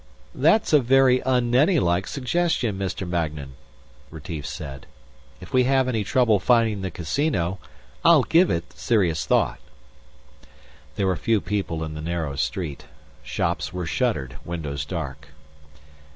"That's a very un Nenni like suggestion, Mr. Magnan," Retief said. "If we have any trouble finding the casino, I'll give it serious thought." There were few people in the narrow street. Shops were shuttered, windows dark.